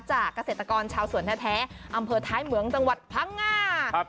เกษตรกรชาวสวนแท้อำเภอท้ายเหมืองจังหวัดพังงา